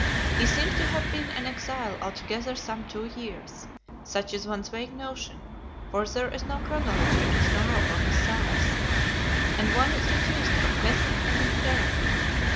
He seems to have been an exile altogether some two years, such is one's vague notion; for there is no chronology in Snorro or his Sagas, and one is reduced to guessing and inferring.